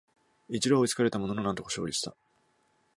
一度は追いつかれたものの、なんとか勝利した